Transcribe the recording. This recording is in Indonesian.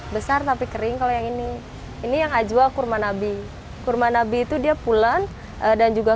besar tapi kering kalau yang ini ini yang ajwa kurma nabi kurma nabi itu dia pulang dan juga